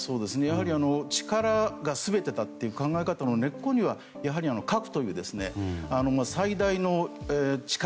力が全てだという考え方の根っこにはやはり核という最大の力